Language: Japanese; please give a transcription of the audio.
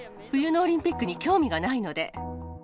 冬のオリンピックに興味がないので。